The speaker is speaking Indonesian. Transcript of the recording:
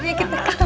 tidak ada apa apa